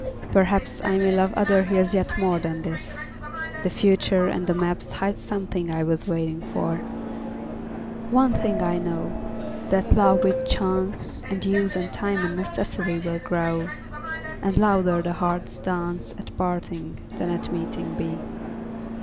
Perhaps I may love other hills yet more Than this: the future and the maps Hide something I was waiting for. One thing I know, that love with chance And use and time and necessity Will grow, and louder the heart's dance At parting than at meeting be.